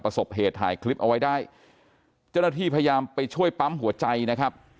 ประสบเหตุถ่ายคลิปเอาไว้ได้เจ้าหน้าที่พยายามไปช่วยปั๊มหัวใจนะครับ